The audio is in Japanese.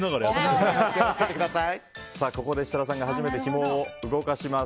ここで設楽さんが初めてひもを動かします。